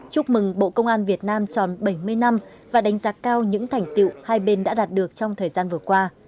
chúc mừng bộ công an việt nam tròn bảy mươi năm và đánh giá cao những thành tiệu hai bên đã đạt được trong thời gian vừa qua